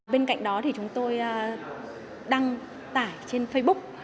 bên cạnh đó thì chúng tôi đăng tải trên facebook